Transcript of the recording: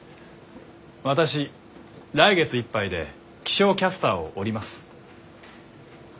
私来月いっぱいで気象キャスターを降ります。